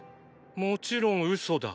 もちろん嘘だ。